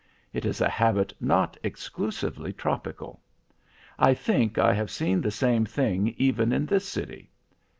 It is a habit not exclusively tropical. I think I have seen the same thing even in this city.